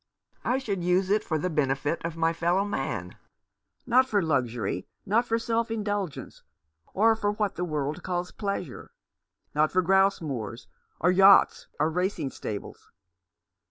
I should use it for the benefit of my fellow man ; not for luxury, not for self indulgence, or for what the world calls pleasure — not for grouse moors, or yachts, or racing stables.